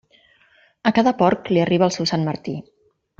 A cada porc li arriba el seu Sant Martí.